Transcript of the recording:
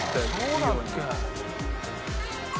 そうだっけ？